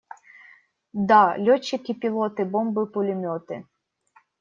Да! Летчики-пилоты! Бомбы-пулеметы!